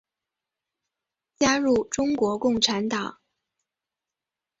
加入中国共产党。